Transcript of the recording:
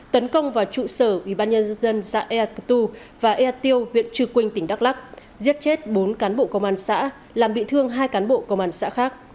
tấn công vào trụ sở ubnd xã ea tờ tu và ea tiêu huyện trư quynh tỉnh đắk lắc giết chết bốn cán bộ công an xã làm bị thương hai cán bộ công an xã khác